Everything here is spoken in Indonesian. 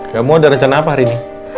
kamu ada rencana apa hari ini